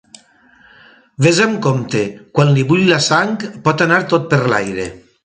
Vés amb compte, quan li bull la sang, pot anar tot per l’aire.